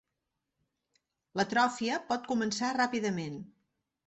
L'atròfia pot començar ràpidament.